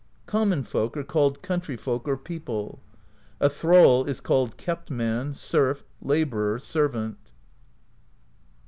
Common folk are called Country folk or People. A thrall is called Kept Man, Serf, Laborer, Servant.